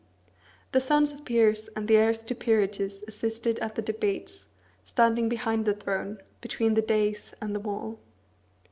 The sons of peers and the heirs to peerages assisted at the debates, standing behind the throne, between the daïs and the wall.